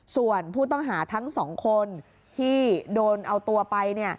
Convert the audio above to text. ส่วนผู้ต้องหาทั้งสองคนที่โดนเอาตัวไป